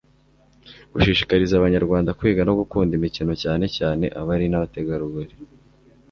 gushishikariza abanyarwanda kwiga no gukunda imikino cyane cyane abari n'abategarugori